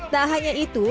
tak hanya itu